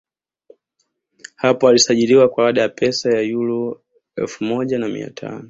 hapo alisajiliwa kwa ada ya pesa yuro elfu moja na mia tano